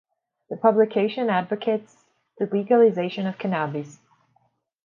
The publication advocates the legalization of cannabis.